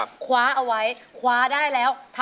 อายุ๒๔ปีวันนี้บุ๋มนะคะ